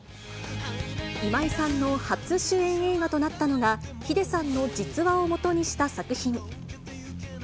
今井さんの初主演映画となったのが、ｈｉｄｅさんの実話を基にした作品。